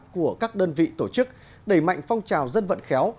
của các đơn vị tổ chức đẩy mạnh phong trào dân vận khéo